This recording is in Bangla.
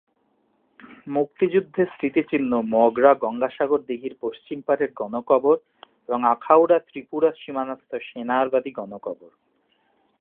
মুক্তিযুদ্ধের স্মৃতিচিহ্ন মগরা গঙ্গাসাগর দীঘির পশ্চিম পাড়ের গণকবর এবং আখাউড়া ত্রিপুরা সীমানাস্থ সেনারবাদী গণকবর।